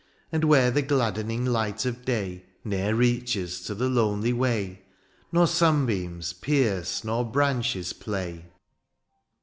And where the gladdening light of day Ne'er reaches to the lonely way, Nor sunbeams pierce, nor branches play.